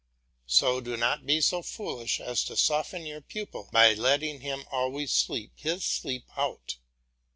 So do not be so foolish as to soften your pupil by letting him always sleep his sleep out.